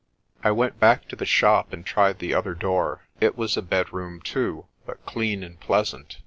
I went back to the shop and tried the other door. It was a bedroom too, but clean and pleasant.